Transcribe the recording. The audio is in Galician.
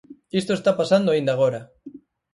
Isto está pasando aínda agora.